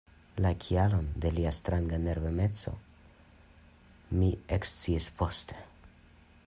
La kialon de lia stranga nervemeco mi eksciis poste.